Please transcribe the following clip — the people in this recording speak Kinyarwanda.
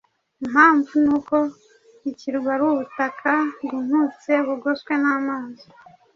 Impamvu ni uko ikirwa ari ubutaka bwumutse bugoswe n’amazi